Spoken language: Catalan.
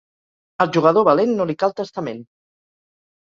Al jugador valent, no li cal testament.